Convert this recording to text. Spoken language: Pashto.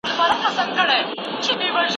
استاد د شاګرد په څېړنه کي مداخله نه کوي.